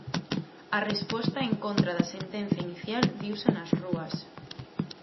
A resposta en contra da sentenza inicial viuse nas rúas.